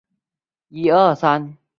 收买者的特色是上门服务。